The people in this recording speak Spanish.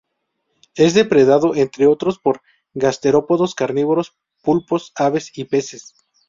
Es depredado, entre otros, por gasterópodos carnívoros, pulpos, aves y peces.